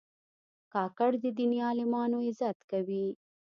کاکړ د دیني عالمانو عزت کوي.